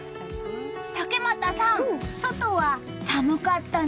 竹俣さん、外は寒かったね。